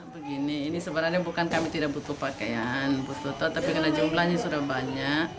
begini ini sebenarnya bukan kami tidak butuh pakaian butuh foto tapi karena jumlahnya sudah banyak